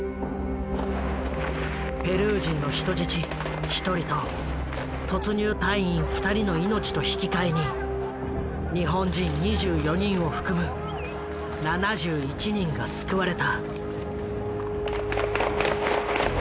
ペルー人の人質１人と突入隊員２人の命と引き換えに日本人２４人を含む７１人が救われた。